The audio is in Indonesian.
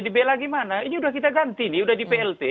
dibela gimana ini udah kita ganti nih udah di plt